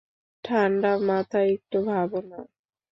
ঠাণ্ডা মাথায় একটু ভাবো না।